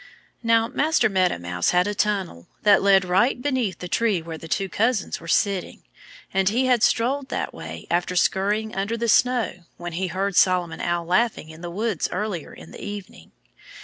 Now, Master Meadow Mouse had a tunnel that led right beneath the tree where the two cousins were sitting. And he had strolled that way after scurrying under the snow when he heard Solomon Owl laughing in the woods earlier in the evening.